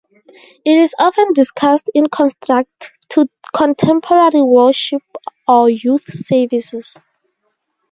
It is often discussed in contrast to Contemporary worship or "Youth" services.